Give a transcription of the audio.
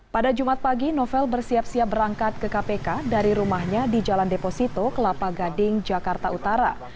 pada jumat pagi novel bersiap siap berangkat ke kpk dari rumahnya di jalan deposito kelapa gading jakarta utara